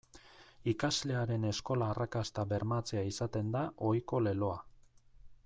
Ikaslearen eskola-arrakasta bermatzea izaten da ohiko leloa.